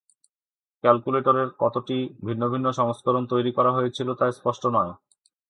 ক্যালকুলেটরের কতটি ভিন্ন ভিন্ন সংস্করণ তৈরি করা হয়েছিল তা স্পষ্ট নয়।